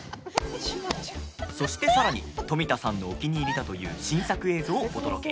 そして、さらに富田さんのお気に入りだという新作映像をお届け。